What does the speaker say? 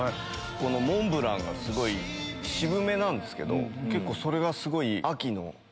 このモンブランがすごい渋めなんですけど結構それが。